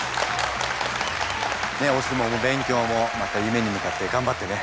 ねっお相撲も勉強もまた夢に向かって頑張ってね。